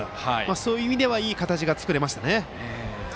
そういう意味ではいい形が作れましたね。